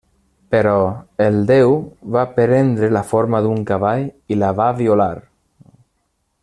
Però el déu va prendre la forma d'un cavall i la va violar.